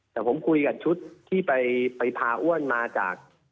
แต่ผมคุยกับชุดที่ไปพาอ้วนมาจาก